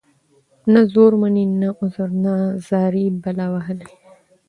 نه زور مــني نه عـذر نـه زارۍ بلا وهـلې.